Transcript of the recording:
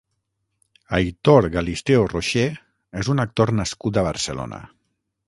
Aitor Galisteo-Rocher és un actor nascut a Barcelona.